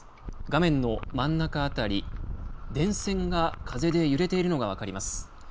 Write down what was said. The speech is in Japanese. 画面の真ん中辺り、電線が風で揺れているのが分かります。